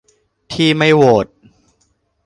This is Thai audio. ที่ไม่โหวต